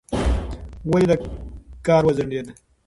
ولې کار وځنډېد؟